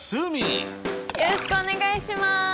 よろしくお願いします。